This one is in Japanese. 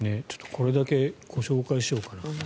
これだけご紹介しようかな。